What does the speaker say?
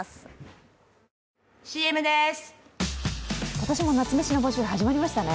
今年も夏メシの募集始まりましたね。